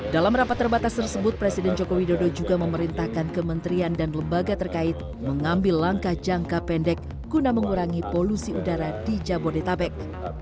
dalam rapat terbatas tersebut presiden joko widodo juga memerintahkan kementerian dan lembaga terkait mengambil langkah jangka pendek guna mengurangi polusi udara di jabodetabek